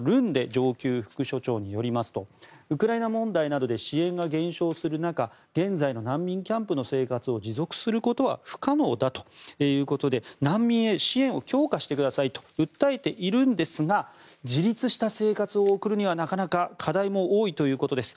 上級副所長によりますとウクライナ問題などで支援が減少する中現在の難民キャンプの生活を持続することは不可能だということで難民へ支援を強化してくださいと訴えているんですが自立した生活を送るにはなかなか課題も多いということです。